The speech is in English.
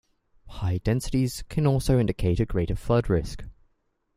High densities can also indicate a greater flood risk.